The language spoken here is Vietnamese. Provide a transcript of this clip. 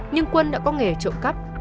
nhưng quân đã có nghề trộm cắp